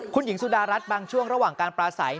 คุณหญิงสุดารัฐบางช่วงระหว่างการปลาใส